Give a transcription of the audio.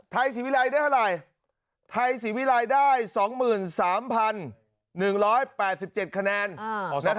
ไทยสีวิรายได้เท่าไรไทยสีวิรายได้๒๓๑๘๗คะแนนโหสตรอก